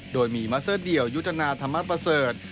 โดยมีมัสเซอร์เดี่ยวยุทธนาธรรมประเสริฐ